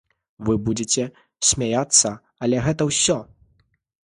Вы будзіце смяяцца, але гэта ўсё.